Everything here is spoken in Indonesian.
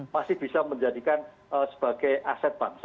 masih bisa menjadikan sebagai aset bangsa